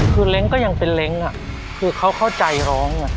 คือเล้งก็ยังเป็นเล้งคือเขาเข้าใจร้อง